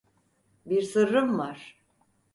Bir sırrım var.